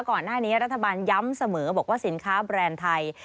ก่อนหน้านี้รัฐบาลย้ำเสมอบอกว่าสินค้าแบรนด์ไทย